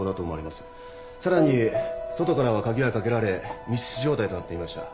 さらに外からは鍵がかけられ密室状態となっていました。